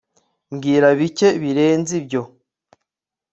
Mbwira bike birenze ibyo